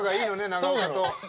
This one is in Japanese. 長岡と。